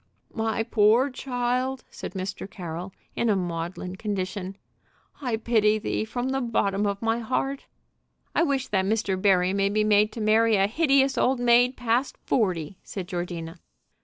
"My poor child," said Mr. Carroll, in a maudlin condition, "I pity thee from the bottom of my heart!" "I wish that Mr. Barry may be made to marry a hideous old maid past forty," said Georgina.